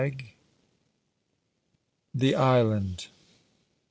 THE ISLAND.